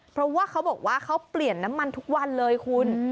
เพราะว่าเขาบอกว่าเขาเปลี่ยนน้ำมันทุกวันเลยคุณ